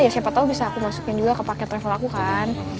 ya siapa tau bisa aku masukin juga ke paket travel aku kan